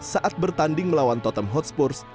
saat bertanding melawan totem hotspurs